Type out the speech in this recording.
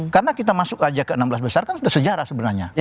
karena kita masuk saja ke enam belas besar kan sudah sejarah sebenarnya